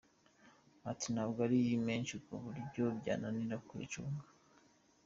Ati “Ntabwo ari menshi ku buryo byananira kuyacunga.